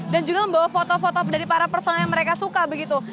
dan juga membawa foto foto dari para personel yang mereka suka begitu